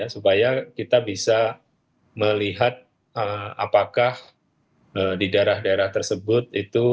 supaya kita bisa melihat apakah di daerah daerah tersebut itu